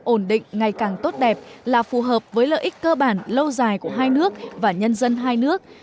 ổn định ngày càng tốt đẹp là phù hợp với lợi ích cơ bản lâu dài của hai nước và nhân dân hai nước